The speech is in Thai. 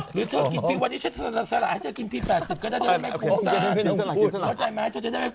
หรือถ้าเกิดปีวันนี้เช็ดสละสละให้เจอกินพีท๘๐ก็จะได้ไปพูดสาร